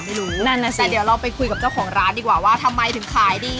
ไม่รู้นั่นน่ะสิเดี๋ยวเราไปคุยกับเจ้าของร้านดีกว่าว่าทำไมถึงขายดี